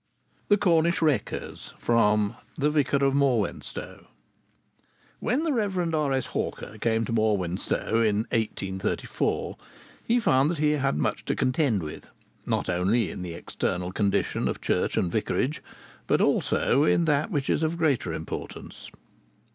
THE CORNISH WRECKERS From 'The Vicar of Morwenstow' When the Rev. R.S. Hawker came to Morwenstow in 1834, he found that he had much to contend with, not only in the external condition of church and vicarage, but also in that which is of greater importance....